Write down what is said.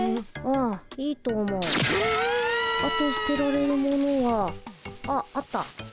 あと捨てられるものはあっあった。